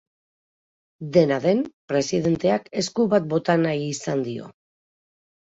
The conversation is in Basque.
Dena den, presidenteak esku bat bota nahi izan dio.